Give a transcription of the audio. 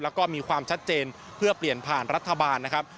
แล้วก็มีความชัดเจนเพื่อเปลี่ยนผ่านรัฐบาลนะครับ